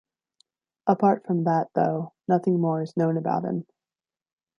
Apart from that, though, nothing more is known about him.